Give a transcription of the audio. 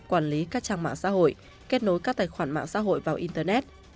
quản lý các trang mạng xã hội kết nối các tài khoản mạng xã hội vào internet